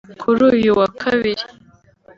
kuri yu wa Kabiri